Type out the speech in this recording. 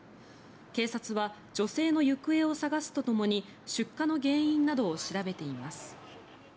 警察は女性の行方を捜すとともに出火の原因などを調べています。